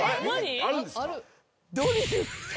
あるんですか？